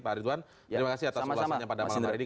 pak ridwan terima kasih atas ulasannya pada malam hari ini